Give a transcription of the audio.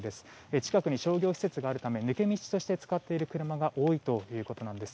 近くに商業施設があるため抜け道として使っている車が多いということなんです。